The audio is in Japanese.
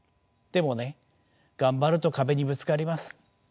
でもね頑張ると壁にぶつかります。